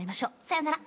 さよなら。